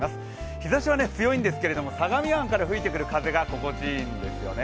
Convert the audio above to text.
日ざしは強いんですけれども、相模湾から吹いてくる風が心地いいんですよね。